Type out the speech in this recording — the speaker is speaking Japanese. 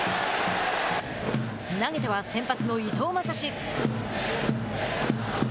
投げては先発の伊藤将司。